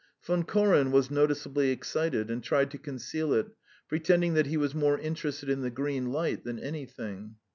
Von Koren was noticeably excited and tried to conceal it, pretending that he was more interested in the green light than anything.